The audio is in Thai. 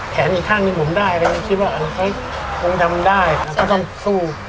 แขนอีกข้างนึงผมได้แล้วคิดว่าให้ที่มองดำได้แล้วก็ต้องสู้